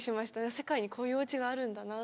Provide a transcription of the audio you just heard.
世界にこういうお家があるんだな。